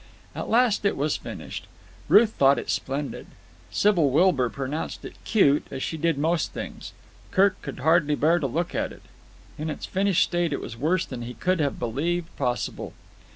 At last it was finished. Ruth thought it splendid. Sybil Wilbur pronounced it cute, as she did most things. Kirk could hardly bear to look at it. In its finished state it was worse than he could have believed possible.